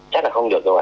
chắc là không được rồi